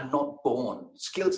kekuatan tidak lahir